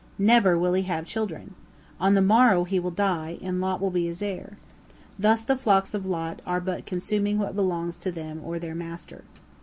Never will he have children. On the morrow he will die, and Lot will be his heir. Thus the flocks of Lot are but consuming what belongs to them or their master."